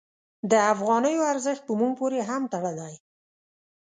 د افغانیو ارزښت په موږ پورې هم تړلی.